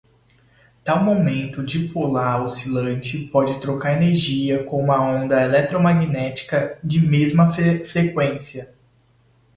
Tal momento dipolar oscilante pode trocar energia com uma onda eletromagnética de mesma freqüência.